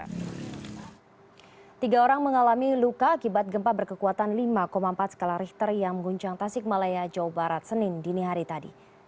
tiga orang mengalami luka akibat gempa berkekuatan lima empat skala richter yang mengguncang tasik malaya jawa barat senin dini hari tadi